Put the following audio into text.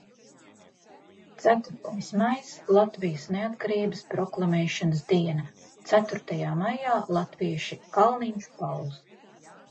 Ceturtais maijs – Latvijas neatkarības proklamēšanas diena. Ceturtajā maijā latvieši – Kalniņš, Pauls.